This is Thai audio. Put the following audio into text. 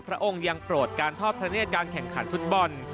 องค์ยังโปรดการทอดพระเนธการแข่งขันฟุตบอล